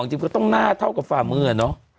จริงก็ต้องหน้าเท่ากับฝ่ามือเนอะ